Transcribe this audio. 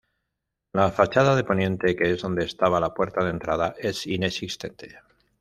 La fachada de poniente, que es donde estaba la puerta de entrada, es inexistente.